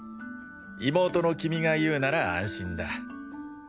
妹の君が言うなら安心だ。